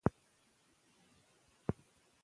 سند بیاکتل شوی و.